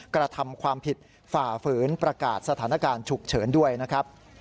กระทำความผิดฝ่าฝืนประกาศสถานการณ์ฉุกเฉินด้วยนะครับ